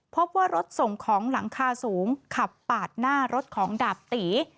พบว่ารถส่งของหลังคาสูงขับปาดหน้ารถของดาบตี